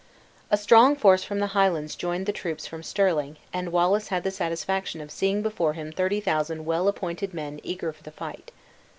A strong force from the Highlands joined the troops from Stirling; and Wallace had the satisfaction of seeing before him thirty thousand well appointed men eager for the fight.